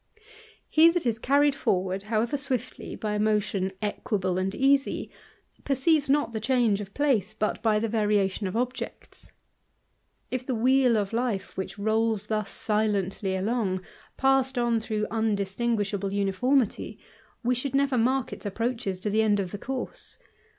He that is carried forward, however swiftly, by a motion Suable and easy, perceives not the change of place but by Ae variation of objects. If the wheel of life, which rolls thus silently along, passed on through undistinguishable uniformity, we should never mark its approaches to the end af the course.